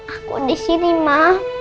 aku disini ma